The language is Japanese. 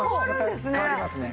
変わるんですね。